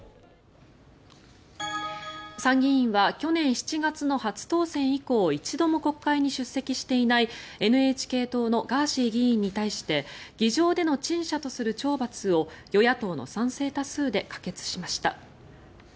参議院は去年７月の初当選以降一度も国会に出席していないＮＨＫ党のガーシー議員に対して議場での陳謝とする懲罰を与野党の賛成多数で可決しました。